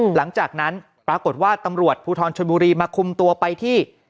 หลังจากนั้นปรากฏว่าตำรวจภูทรชนบุรีมาคุมตัวไปที่